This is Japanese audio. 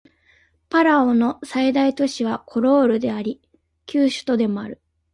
パラオの最大都市はコロールであり旧首都でもある